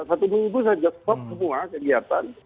satu minggu saja stop semua kegiatan